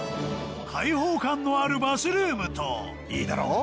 開放感のあるバスルームといいだろう？